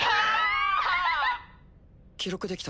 記録できた？